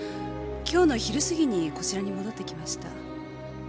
今日の昼過ぎにこちらに戻ってきました。